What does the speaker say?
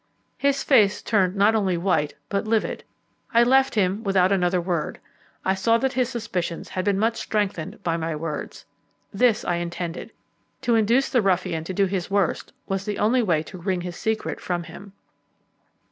His face turned not only white but livid. I left him without another word. I saw that his suspicions had been much strengthened by my words. This I intended. To induce the ruffian to do his worst was the only way to wring his secret from him.